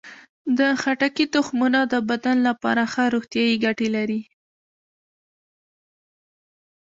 د خټکي تخمونه د بدن لپاره ښه روغتیايي ګټې لري.